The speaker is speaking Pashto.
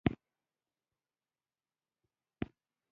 مړه ته د زړه له کومې د مغفرت دعا وکړه